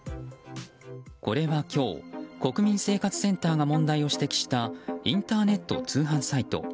これは今日国民生活センターが問題を指摘したインターネット通販サイト。